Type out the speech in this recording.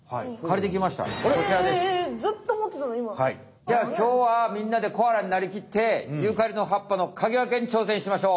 じゃあきょうはみんなでコアラになりきってユーカリのはっぱのかぎわけに挑戦しましょう！